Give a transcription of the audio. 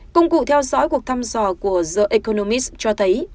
công cụ theo dõi cuộc thăm dò của the economis cho thấy